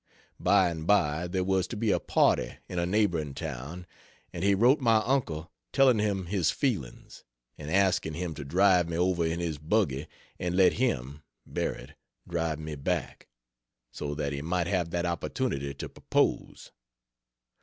By and by there was to be a party in a neighboring town, and he wrote my uncle telling him his feelings, and asking him to drive me over in his buggy and let him (Barrett) drive me back, so that he might have that opportunity to propose.